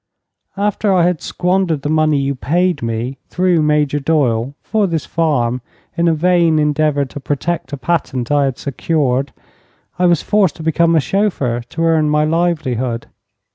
"After I had squandered the money you paid me, through Major Doyle, for this farm, in a vain endeavor to protect a patent I had secured, I was forced to become a chauffeur to earn my livelihood.